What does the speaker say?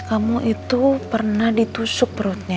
kamu itu pernah ditusuk perutnya